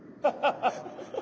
ハハハ。